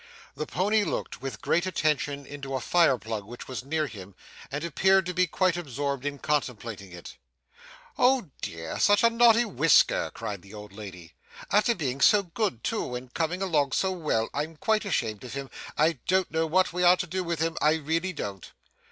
The pony looked with great attention into a fire plug which was near him, and appeared to be quite absorbed in contemplating it. 'Oh dear, such a naughty Whisker!' cried the old lady. 'After being so good too, and coming along so well! I am quite ashamed of him. I don't know what we are to do with him, I really don't.